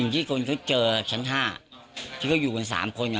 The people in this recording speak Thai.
ที่คนเขาเจอชั้นห้าที่เขาอยู่กันสามคนอ่ะ